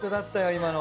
今の。